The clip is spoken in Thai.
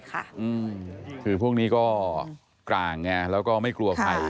คือพวกนี้ก็กลางไงแล้วก็ไม่กลัวใคร